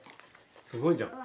すごいじゃん。